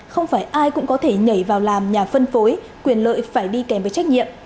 không phải ai cũng có thể nhảy vào làm nhà phân phối quyền lợi phải đi kèm với trách nhiệm